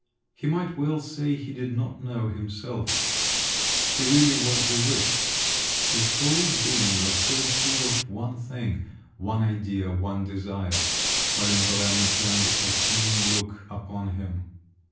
He might well say he did not know himself…. He really was bewitched. His whole being was filled full of one thing … one idea, one desire. Maria Nikolaevna turned a keen look upon him.